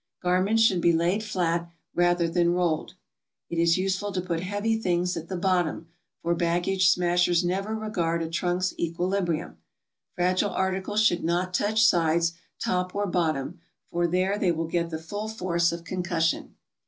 Garments should be laid flat, rather than be rolled. It is useless to put heavy things at the bot tom, for baggage smashers never regard a trunk's equili brium. Fragile articles should not touch sides, top or bottom, for there they will get the full force of concussion.